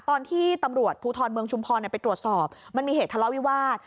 ตอนที่ตำรวจภูทรเมืองชุมพรไปตรวจสอบมันมีเหตุทะเลาะวิวาส